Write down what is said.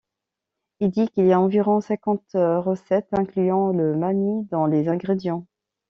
Il dit qu'il y a environ cinquante recettes incluant le mämmi dans les ingrédients.